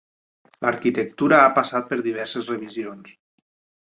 L'arquitectura ha passat per diverses revisions.